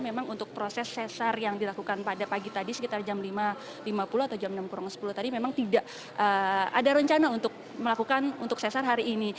memang untuk proses sesar yang dilakukan pada pagi tadi sekitar jam lima lima puluh atau jam enam sepuluh tadi memang tidak ada rencana untuk melakukan untuk sesar hari ini